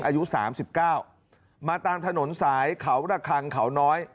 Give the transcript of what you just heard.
อายุสามสิบเก้ามาตามถนนสายเขาระครังเขาน้อย